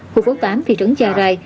hồ phố tám phía trấn gia rai